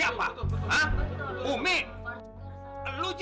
bang warga pengen tau nih